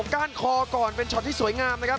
ก้านคอก่อนเป็นช็อตที่สวยงามนะครับ